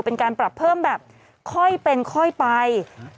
เป็นการปรับเพิ่มแบบค่อยเป็นค่อยไป